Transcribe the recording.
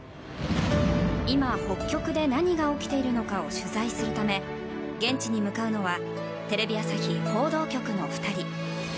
今、北極で何が起きているのかを取材するため現地に向かうのはテレビ朝日報道局の２人。